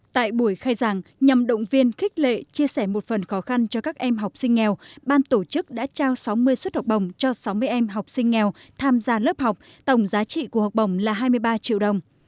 tại buổi khai giảng nhằm động viên khích lệ chia sẻ một phần khó khăn cho các em học sinh nghèo ban tổ chức đã trao sáu mươi suất học bổng cho sáu mươi em học sinh nghèo tham gia lớp học tổng giá trị của học bổng là hai mươi ba triệu đồng